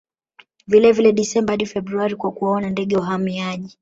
Vilevile Desemba hadi Februari kwa kuwaona ndege wahamiaji